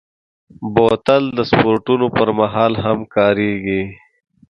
بوتل د سپورټونو پر مهال هم کارېږي.